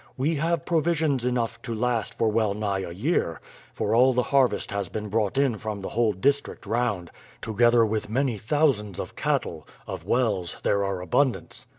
We have provisions enough to last for well nigh a year, for all the harvest has been brought in from the whole district round, together with many thousands of cattle; of wells there are abundance."